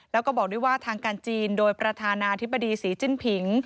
แล้วก็บอกด้วยว่าทางการจีนโดยประธานาธิบดีศรีจิ้นผิง